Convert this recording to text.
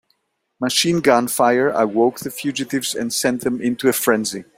Machine gun fire awoke the fugitives and sent them into a frenzy.